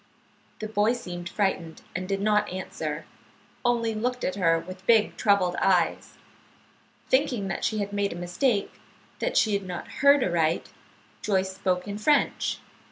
"] The boy seemed frightened, and did not answer, only looked at her with big, troubled eyes. Thinking that she had made a mistake, that she had not heard aright, Joyce spoke in French.